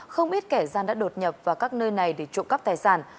không ít kẻ gian đã đột nhập vào các nơi này để trộm cắp tài sản